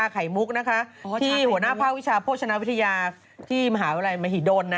เข้าวิชาโภชนาวิทยาที่มหาวิทยาลัยมหิดล